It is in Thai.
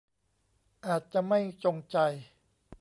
อาจจะไม่จงใจ